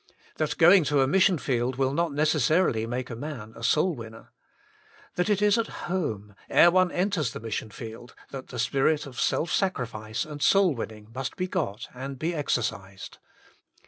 That going to a mission field will not necessarily make a man a soul winner. That it is at home, ere one enters the mission field, that the spirit of self sacrifice and soul winning must be got and be exercised.